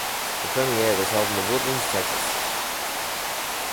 The premiere was held in The Woodlands, Texas.